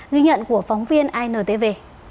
ghi nhận của phóng viên intv